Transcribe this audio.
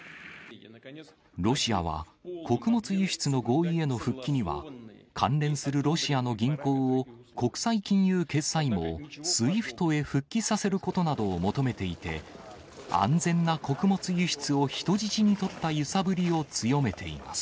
ロシアは、穀物輸出の合意への復帰には関連するロシアの銀行を国際金融決済網、ＳＷＩＦＴへ復帰させることなどを求めていて、安全な穀物輸出を人質に取った揺さぶりを強めています。